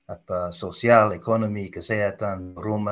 apa sosial ekonomi kesehatan rumah dan juga kemampuan